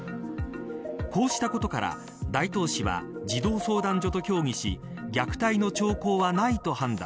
こうしたことから、大東市は児童相談所と協議し虐待の兆候はないと判断。